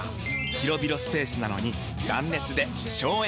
広々スペースなのに断熱で省エネ！